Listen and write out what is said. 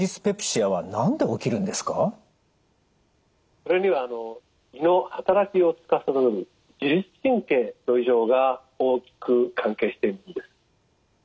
それには胃のはたらきをつかさどる自律神経の異常が大きく関係しているんです。